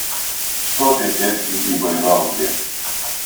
Что же, если и бывал грех